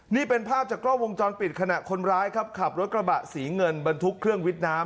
นี่เป็นภาพจากกล้องวงจรปิดขณะคนร้ายครับขับรถกระบะสีเงินบรรทุกเครื่องวิทย์น้ำ